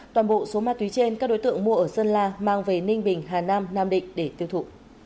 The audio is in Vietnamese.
toàn bộ số ma túy trên các đối tượng mua ở sơn la mang về ninh bình hà nam nam định để tiêu thụ